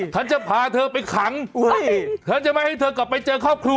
เธอจะป่าเธอไปขังเธอยังไม่ให้เธอกลับไปเจอครอบครัว